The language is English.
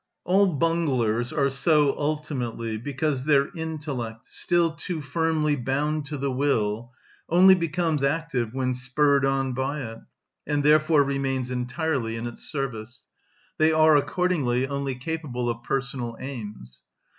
All bunglers are so ultimately because their intellect, still too firmly bound to the will, only becomes active when spurred on by it, and therefore remains entirely in its service. They are accordingly only capable of personal aims.